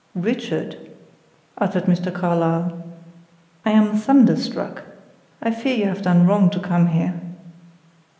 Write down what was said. "Richard," uttered Mr. Carlyle, "I am thunderstruck! I fear you have done wrong to come here."